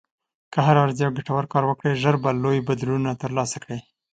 که هره ورځ یو ګټور کار وکړې، ژر به لوی بدلونونه ترلاسه کړې.